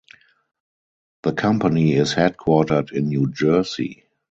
The company is headquartered in New Jersey.